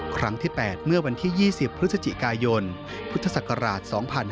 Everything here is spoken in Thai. ครั้งที่๘เมื่อวันที่๒๐พฤศจิกายนพุทธศักราช๒๕๕๙